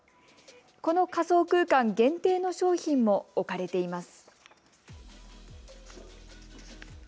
この仮想空間限定の商品も置かれています。